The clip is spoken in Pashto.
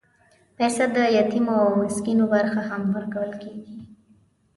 پسه د یتیمو او مسکینو برخه هم ورکول کېږي.